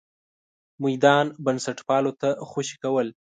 میدان بنسټپالو ته خوشې کول.